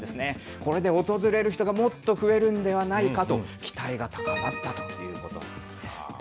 これで訪れる人がもっと増えるんではないかと、期待が高まったということなんです。